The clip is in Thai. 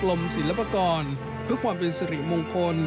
ศิลปากรเพื่อความเป็นสิริมงคล